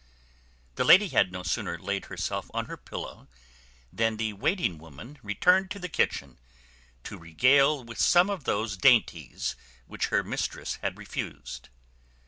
The lady had no sooner laid herself on her pillow than the waiting woman returned to the kitchen to regale with some of those dainties which her mistress had refused.